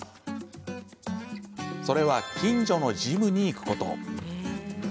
それは近所のジムに行くこと。